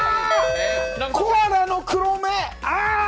コアラの黒目。